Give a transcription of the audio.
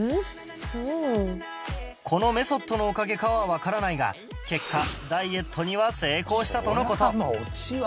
このメソッドのおかげかはわからないが結果ダイエットには成功したとの事